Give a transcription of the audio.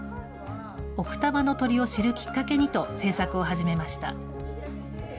奥多摩の鳥を知るきっかけにと、制作を始めました。